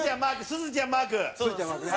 すずちゃんマークね。